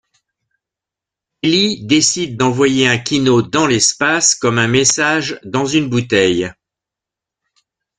Eli décide d'envoyer un kino dans l'espace comme un message dans une bouteille.